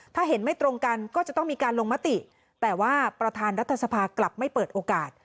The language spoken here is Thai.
ถ้าเห็นไม่ตรงกันก็จะต้องมีการลงมติแต่ว่าประธานรัฐสภากลับไม่เปิดโอกาส